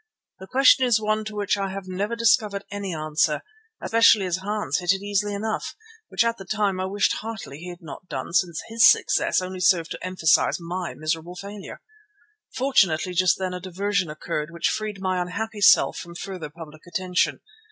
The question is one to which I have never discovered any answer, especially as Hans hit it easily enough, which at the time I wished heartily he had not done, since his success only served to emphasize my miserable failure. Fortunately, just then a diversion occurred which freed my unhappy self from further public attention.